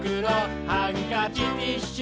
ハンカチティッシュ